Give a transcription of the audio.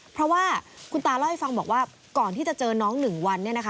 เพราะว่าคุณตาเล่าให้ฟังบอกว่าก่อนที่จะเจอน้อง๑วัน